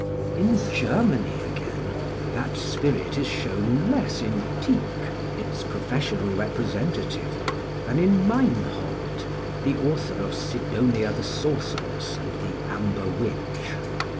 In Germany, again, that spirit is shown less in Tieck, its professional representative, than in Meinhold, the author of Sidonia the Sorceress and the Amber Witch.